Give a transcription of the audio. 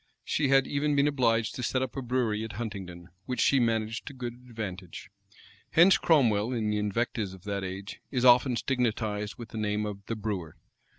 She had even been obliged to set up a brewery at Huntingdon, which she managed to good advantage. Hence Cromwell, in the invectives of that age, is often stigmatized with the name of the brewer.